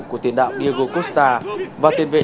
của tiền đạo diego costa và tiền vệ